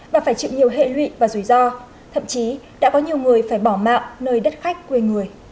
và phải chịu nhiều hệ lụy và rủi ro thậm chí đã có nhiều người phải bỏ mạng nơi đất khách quê người